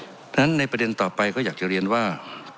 เพราะฉะนั้นในประเด็นต่อไปก็อยากจะเรียนว่า